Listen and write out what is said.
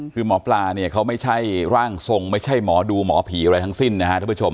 คือหมอปลาเนี่ยเขาไม่ใช่ร่างทรงไม่ใช่หมอดูหมอผีอะไรทั้งสิ้นนะฮะท่านผู้ชม